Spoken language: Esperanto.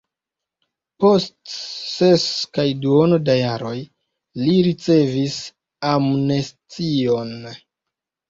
Post ses kaj duono da jaroj li ricevis amnestion.